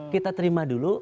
kita terima dulu